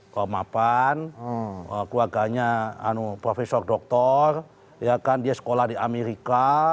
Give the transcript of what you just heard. ke mapan keluarganya profesor doktor dia sekolah di amerika